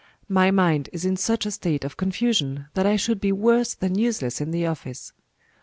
My mind is in such a state of confusion that I should be worse than useless in the office.